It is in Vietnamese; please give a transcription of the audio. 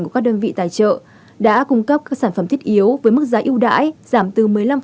của các đơn vị tài trợ đã cung cấp các sản phẩm thiết yếu với mức giá ưu đãi giảm từ một mươi năm